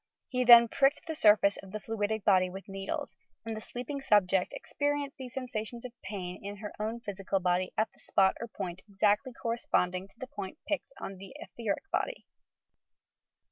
He then pricked the sur face of the 0uidie body with needles, and the sleeping subject experienced these sensations of pain in her own physical body at a spot or point exactly corresponding to the part pricked on the etheric body.